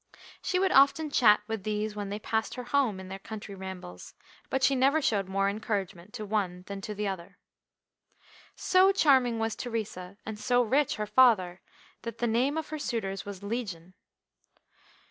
She would often chat with these when they passed her home in their country rambles, but she never showed more encouragement to one than to the other. So charming was Theresa, and so rich her father, that the name of her suitors was legion.